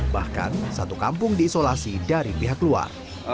bahkan satu kampung diisolasi dari pihak luar